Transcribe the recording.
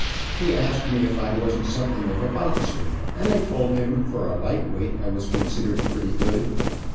He asked me if I wasn't something of a boxer, and I told him for a light weight I was considered pretty good.